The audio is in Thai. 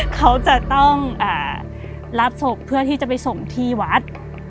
เขาจะต้องรับศพเพื่อที่จะไปส่งที่วัด